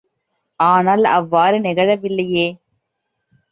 ஆனால் அவ்வாறு நிகழவில்லையே!